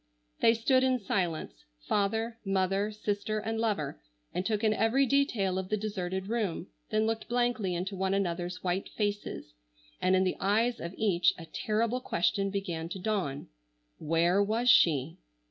They stood in silence, father, mother, sister, and lover, and took in every detail of the deserted room, then looked blankly into one another's white faces, and in the eyes of each a terrible question began to dawn. Where was she?